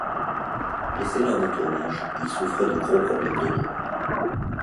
Blessé lors d'un tournage, il souffrait de gros problèmes de dos.